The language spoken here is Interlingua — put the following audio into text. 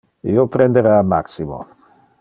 Io prendera Maximo.